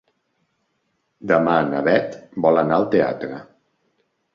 Demà na Bet vol anar al teatre.